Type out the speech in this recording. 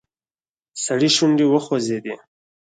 سړي شونډې وخوځېدې.